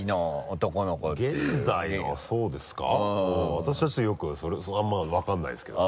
私はちょっとあんまり分かんないですけどね。